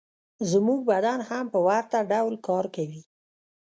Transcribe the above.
زموږ بدن هم په ورته ډول کار کوي